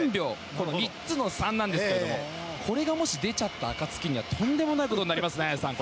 この３つの３なんですがこれがもし出ちゃった暁にはとんでもないことになります綾さん。